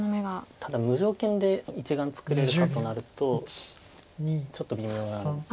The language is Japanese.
ただ無条件で１眼作れるかとなるとちょっと微妙なんです。